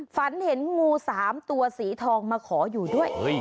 ฝันเห็นงู๓ตัวสีทองมาขออยู่ด้วย